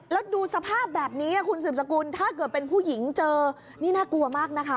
แล้วดูสภาพแบบนี้คุณสืบสกุลถ้าเกิดเป็นผู้หญิงเจอนี่น่ากลัวมากนะคะ